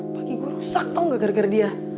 pagi gue rusak tau gak gara gara dia